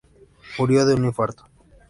Murió de un infarto.